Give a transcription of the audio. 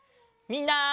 みんな。